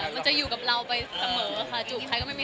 มันจะอยู่กับเราไปเสมอค่ะ